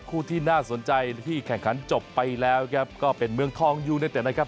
คู่ที่น่าสนใจที่แข่งขันจบไปแล้วครับก็เป็นเมืองทองยูเนเต็ดนะครับ